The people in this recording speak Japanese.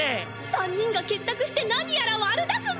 三人が結託して何やら悪だくみ！